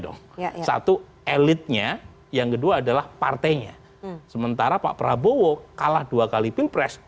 dong satu elitnya yang kedua adalah partainya sementara pak prabowo kalah dua kali pilpres